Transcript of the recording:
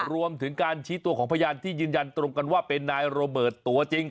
รวมถึงการชี้ตัวของพยานที่ยืนยันตรงกันว่าเป็นนายโรเบิร์ตตัวจริง